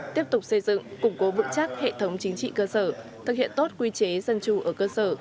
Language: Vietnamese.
tiếp tục xây dựng củng cố vững chắc hệ thống chính trị cơ sở thực hiện tốt quy chế dân chủ ở cơ sở